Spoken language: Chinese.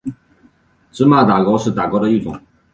芝麻打糕是打糕的一种。